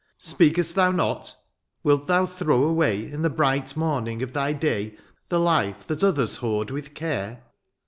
Speak^st thou not ? Wilt thou throw away. In the bright morning of thy day, ^'The life that others hoard with care